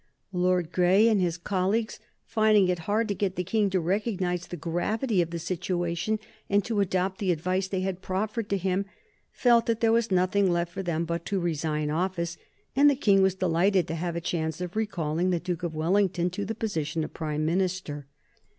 Lord Grey and his colleagues, finding it hard to get the King to recognize the gravity of the situation, and to adopt the advice they had offered to him, felt that there was nothing left for them but to resign office. And the King was delighted to have a chance of recalling the Duke of Wellington to the position of Prime Minister.